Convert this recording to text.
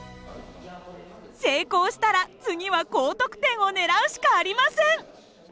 成功したら次は高得点を狙うしかありません。